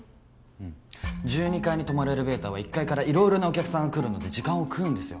うん１２階にとまるエレベーターは１階から色々なお客さんが来るので時間をくうんですよ。